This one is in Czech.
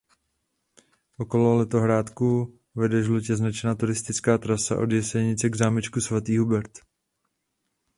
Okolo letohrádku vede žlutě značená turistická trasa od Jesenice k zámečku Svatý Hubert.